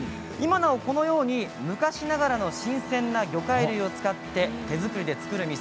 このように昔ながらの新鮮な魚介類を使って手作りで作る店